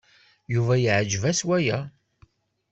Yuba yeɛjeb-as waya.